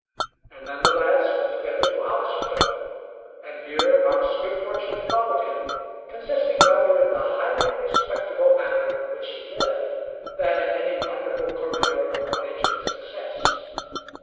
And then the lads went together to Oxford, and here Mark's good fortune followed him, consisting rather in the highly respectable manner in which he lived, than in any wonderful career of collegiate success.